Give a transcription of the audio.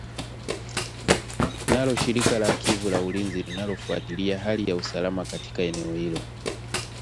Nalo shirika la Kivu la ulinzi linalofuatilia hali ya usalama katika eneo hilo